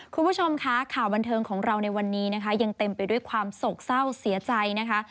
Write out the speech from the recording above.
คุณผู้ชมคะข่าวบันเทิงของเราในวันนี้นะคะยังเต็มไปด้วยความโศกเศร้าเสียใจนะคะ